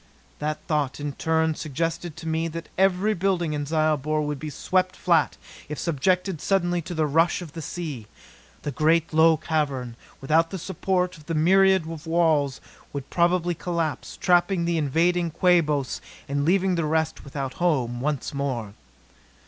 That thought, in turn, suggested to me that every building in Zyobor would be swept flat if subjected suddenly to the rush of the sea. The great low cavern, without the support of the myriad walls, would probably collapse trapping the invading Quabos and leaving the rest without a home once more.